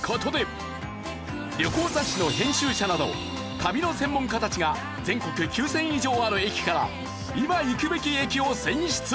旅行雑誌の編集者など旅の専門家たちが全国９０００以上ある駅から今行くべき駅を選出。